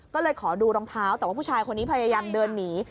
ก็เลยขอดูรองเท้าแต่ว่าผู้ชายคนนี้พยายามเดินหนี